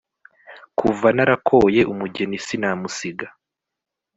kuva narakoye, umugeni simusiga